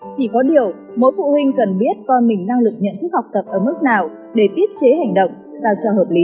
chỉ có điều mỗi phụ huynh cần biết coi mình năng lực nhận thức học tập ở mức nào để tiết chế hành động sao cho hợp lý